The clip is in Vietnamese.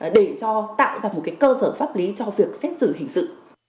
để tạo ra một cơ sở pháp lý cho việc xét xử hình sự